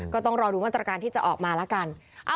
ก็ต้องรอดูมาตรการที่จะออกมาแล้วกัน